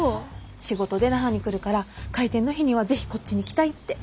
仕事で那覇に来るから開店の日には是非こっちに来たいって。